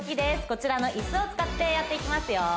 こちらの椅子を使ってやっていきますよ